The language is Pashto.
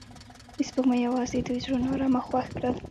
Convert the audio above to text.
د سپوږمۍ اواز د دوی زړونه ارامه او خوښ کړل.